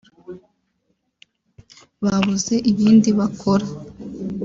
babuze ibindi bakora